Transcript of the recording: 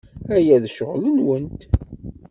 Aya d ccɣel-nwent.